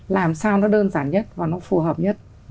làm sao nó đơn giản nhất và nó phù hợp nhất